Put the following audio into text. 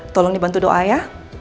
tolong dibantu doa ya